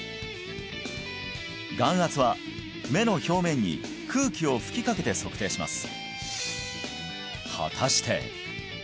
眼圧は目の表面に空気を吹きかけて測定します